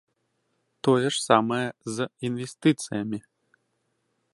Тое ж самае з інвестыцыямі.